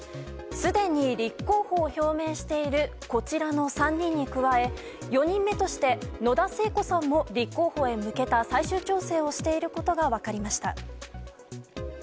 すでに立候補を表明しているこちらの３人に加え４人目として、野田聖子さんも立候補へ向けた最終調整をしていることが分かりました。